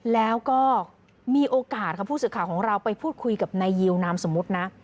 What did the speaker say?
แล้วก็มีโอกาสค่ะผู้สื่อข่าวของเราไปพูดคุยกับนายยิวนามสมมุตินะ